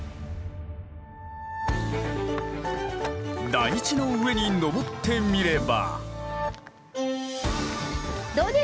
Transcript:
台地の上に登ってみれば。